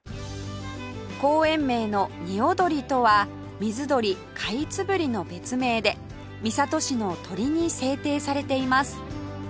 公園名の「におどり」とは水鳥カイツブリの別名で三郷市の鳥に制定されています